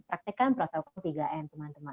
praktekan proses ketiga n teman teman